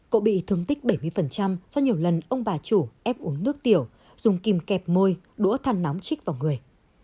cậu bị thương tích bảy mươi do nhiều lần ông bà chủ ép uống nước tiểu dùng kim kẹp môi đũa thăn nóng chích vào người